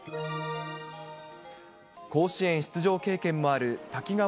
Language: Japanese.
甲子園出場経験もある滝川